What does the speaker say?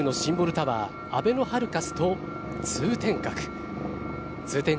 タワーあべのハルカスと通天閣。